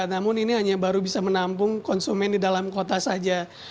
namun ini hanya baru bisa menampung konsumen di dalam kota saja